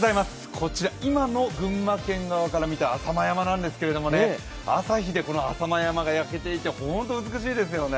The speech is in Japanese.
こちら、今の群馬県側から見た浅間山なんですけど、朝日で浅間山が焼けていて、美しいですよね。